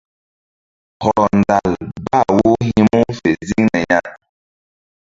Hɔrɔ ndal bah wo hi̧ mu fe ziŋna ya.